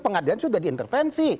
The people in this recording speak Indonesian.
pengadilan sudah diintervensi